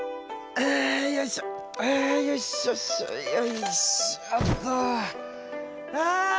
あよいしょよいしょよいしょっと。